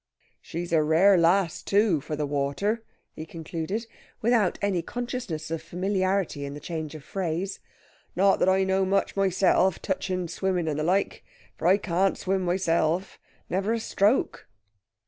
"She's a rare lass, too, for the water," he concluded, without any consciousness of familiarity in the change of phrase. "Not that I know much myself, touching swimming and the like. For I can't swim myself, never a stroke."